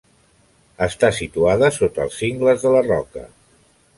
Està situada sota els cingles de la Roca.